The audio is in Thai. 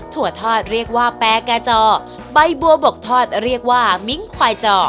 ถั่วทอดเรียกว่าแปรแก่จอใบบัวบกทอดเรียกว่ามิ้งควายจอ